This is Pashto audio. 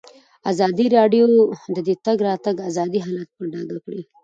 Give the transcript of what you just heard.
ازادي راډیو د د تګ راتګ ازادي حالت په ډاګه کړی.